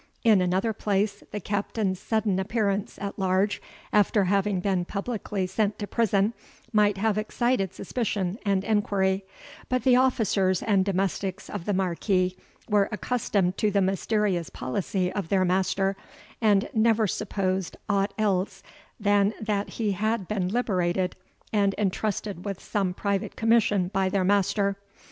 In another place, the Captain's sudden appearance at large after having been publicly sent to prison, might have excited suspicion and enquiry; but the officers and domestics of the Marquis were accustomed to the mysterious policy of their master, and never supposed aught else than that he had been liberated and intrusted with some private commission by their master.